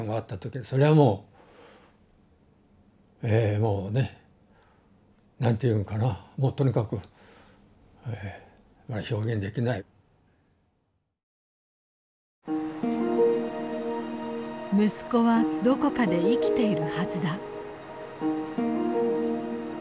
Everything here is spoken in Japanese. もうね何ていうのかな息子はどこかで生きているはずだ。